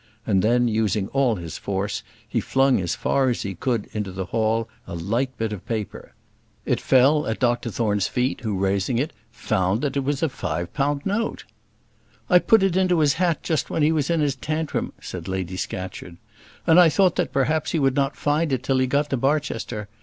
and then, using all his force, he flung as far as he could into the hall a light bit of paper. It fell at Dr Thorne's feet, who, raising it, found that it was a five pound note. "I put it into his hat just while he was in his tantrum," said Lady Scatcherd. "And I thought that perhaps he would not find it till he got to Barchester.